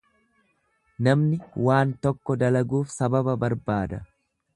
Namni waan tokko dalaguuf sababa barbaada.